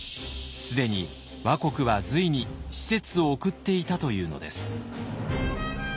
既に倭国は隋に使節を送っていたというのです。